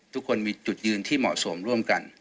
ทุกคนมีจุดยืนที่เหมาะสมร่วมกัน